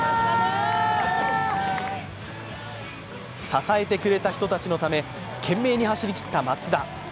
支えてくれた人たちのため懸命に走りきった松田。